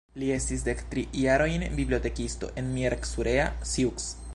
Li estis dektri jarojn bibliotekisto en Miercurea Ciuc.